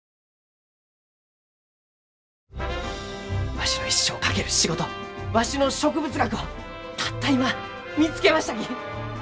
わしの一生を懸ける仕事わしの植物学をたった今見つけましたき！